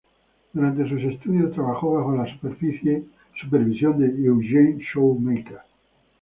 Durante sus estudios, trabajó bajo la supervisión de Eugene Shoemaker.